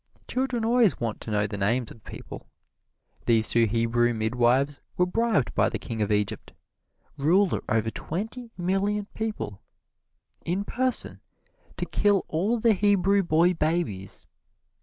Children always want to know the names of people. These two Hebrew midwives were bribed by the King of Egypt ruler over twenty million people in person, to kill all the Hebrew boy babies.